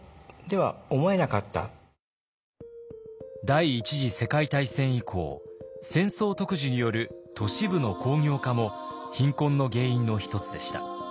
第一次世界大戦以降戦争特需による都市部の工業化も貧困の原因の一つでした。